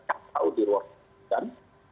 atau di luar